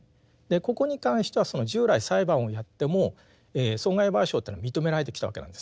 ここに関しては従来裁判をやっても損害賠償というのは認められてきたわけなんです。